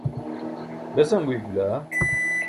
besan guyik bila